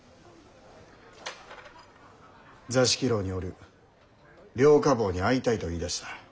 「座敷牢におる両火房に会いたい」と言いだした。